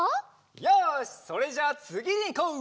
よしそれじゃあつぎにいこう！